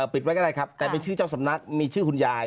ปิดไว้ก็ได้ครับแต่มีชื่อเจ้าสำนักมีชื่อคุณยาย